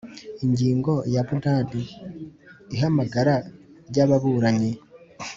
Ingingo ya munani Ihamagara ry ababuranyi